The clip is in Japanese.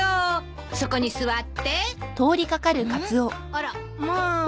あらっまあ。